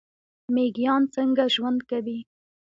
میږیان څنګه ژوند کوي؟